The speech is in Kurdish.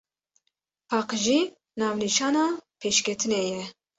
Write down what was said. Paqijî navnîşana pêşketinê ye.